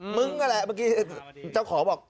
มึงนั่นแหละเมื่อกี้เจ้าของบอก